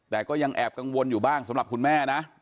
แต่ก็ยังแอบกังวลอยู่บ้างสำหรับคุณแม่นะ